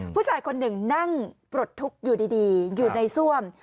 ผู้ชายคนหนึ่งนั่งปลดทุกข์อยู่ดีอยู่ในซ่วม